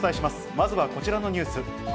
まずはこちらのニュース。